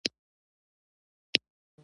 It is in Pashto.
په مزار کې د تولید فابریکې شته